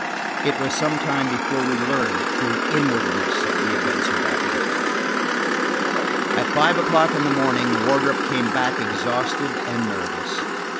It was some time before we learned the true inwardness of the events of that night. At five o'clock in the morning Wardrop came back exhausted and nerveless.